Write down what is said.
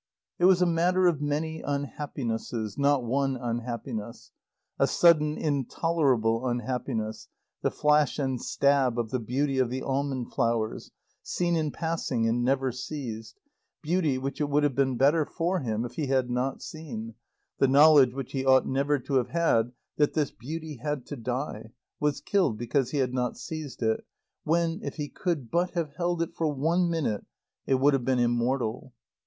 It was a matter of many unhappinesses, not one unhappiness. A sudden intolerable unhappiness, the flash and stab of the beauty of the almond flowers, seen in passing and never seized, beauty which it would have been better for him if he had not seen; the knowledge, which he ought never to have had, that this beauty had to die, was killed because he had not seized it, when, if he could but have held it for one minute, it would have been immortal.